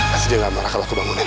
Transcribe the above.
pasti dia gak marah kalau aku bangunin